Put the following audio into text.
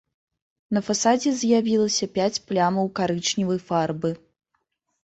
На фасадзе з'явіліся пяць плямаў карычневай фарбы.